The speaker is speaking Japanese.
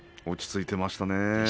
落ち着いていましたね。